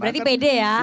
berarti pd ya